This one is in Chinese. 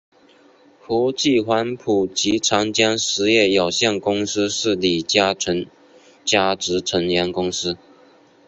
和记黄埔及长江实业有限公司是李嘉诚家族成员公司。